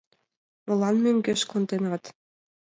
Молан мӧҥгеш конденат?